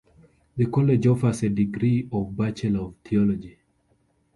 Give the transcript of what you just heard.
The college offers a degree of Bachelor of Theology.